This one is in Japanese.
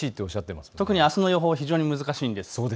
あすの予報、非常に難しいんです。